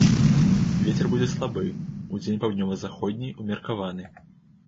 Вецер будзе слабы, удзень паўднёва-заходні, умеркаваны.